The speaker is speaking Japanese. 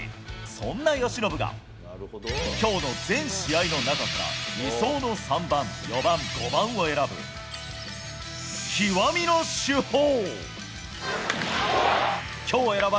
そんな由伸が、きょうの全試合の中から、理想の３番、４番、５番を選ぶ、極みの主砲。